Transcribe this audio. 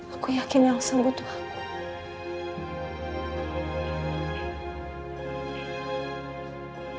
aku yakin elsa butuh aku